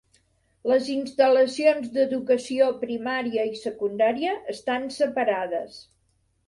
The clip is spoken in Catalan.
Les instal·lacions d'educació primària i secundària estan separades.